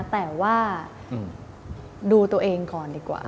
แต่ว่าดูตัวเองก่อนดีกว่า